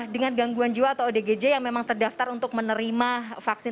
dengan gangguan jiwa atau odgj yang memang terdaftar untuk menerima vaksin